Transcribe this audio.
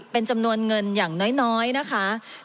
เป็นจำนวนเงินอย่างน้อยนะคะ